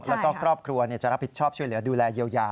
แล้วก็ครอบครัวจะรับผิดชอบช่วยเหลือดูแลเยียวยา